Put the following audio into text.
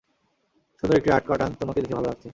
সুন্দর একটি রাত কাটান - তোমাকে দেখে ভালো লাগছে।